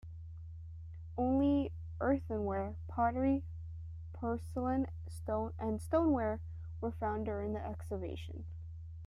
Only earthenware, pottery, porcelains, and stoneware were found during the excavation.